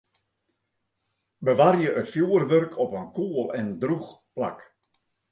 Bewarje it fjoerwurk op in koel en drûch plak.